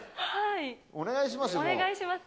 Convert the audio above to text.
お願いしますよ。